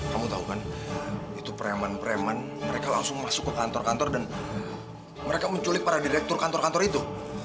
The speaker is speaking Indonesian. kamu tahu kan itu preman preman mereka langsung masuk ke kantor kantor dan mereka menculik para direktur kantor kantor itu